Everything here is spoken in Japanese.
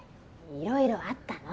いろいろあったの。